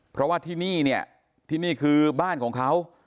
เพราะว่าที่นี่เนี่ยที่นี่คือบ้านของเขา